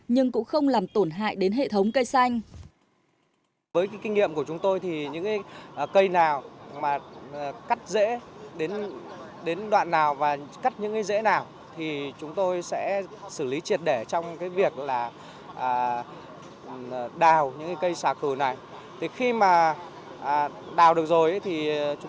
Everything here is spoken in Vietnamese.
nhưng cũng không làm tổn hại đến hệ thống cây xanh